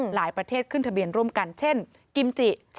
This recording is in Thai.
หลายประเทศขึ้นทะเบียนร่วมกันเช่นกิมจิ